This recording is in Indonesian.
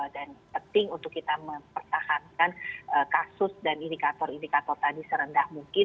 dan penting untuk kita mempertahankan kasus dan indikator indikator tadi serendah mungkin